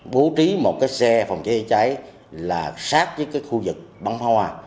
bố trí một cái xe phòng cháy chơi cháy là sát với cái khu vực bắn hoa